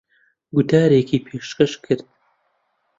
گوتارێکی پێشکەش کرد.